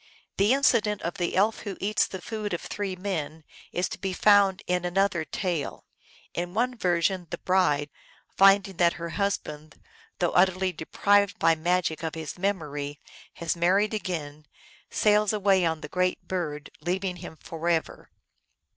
The incident of the Elf who eats the food of three men is to be found in an other tale. In one version, the bride, finding that her husband, though utterly deprived by magic of his memory, has married again, sails away on the great bird, leaving him forever.